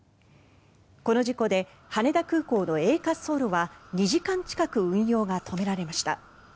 この事故で羽田空港のＡ滑走路は２時間近く運用が止められました。